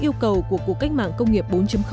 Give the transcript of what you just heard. yêu cầu của cuộc cách mạng công nghiệp bốn